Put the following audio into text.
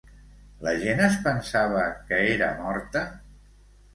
La gent es pensava que era morta?